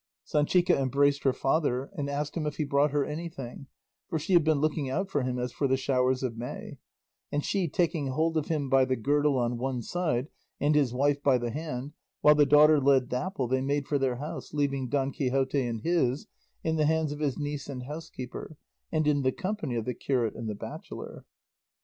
Sanchica embraced her father and asked him if he brought her anything, for she had been looking out for him as for the showers of May; and she taking hold of him by the girdle on one side, and his wife by the hand, while the daughter led Dapple, they made for their house, leaving Don Quixote in his, in the hands of his niece and housekeeper, and in the company of the curate and the bachelor.